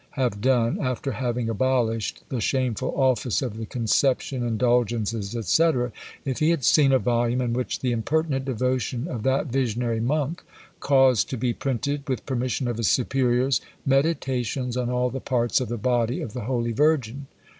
have done, after having abolished the shameful Office of the Conception, Indulgences, &c. if he had seen a volume in which the impertinent devotion of that visionary monk caused to be printed, with permission of his superiors, Meditations on all the Parts of the Body of the Holy Virgin?